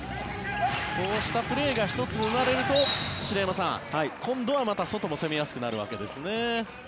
こうしたプレーが１つ生まれると篠山さん、今度はまた外も攻めやすくなるわけですね。